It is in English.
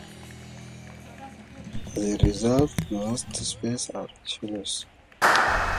As a result, most species are deciduous.